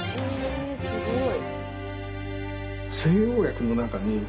えすごい。